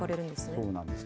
そうなんです。